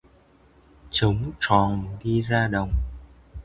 Chống troòng đi ra đồng